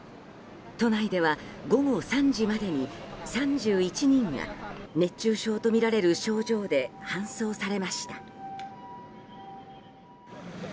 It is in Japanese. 都内では午後３時までに３１人が熱中症とみられる症状で搬送されました。